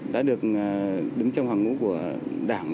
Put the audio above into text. đã được đứng trong hàng ngũ của đảng